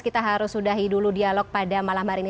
kita harus sudahi dulu dialog pada malam hari ini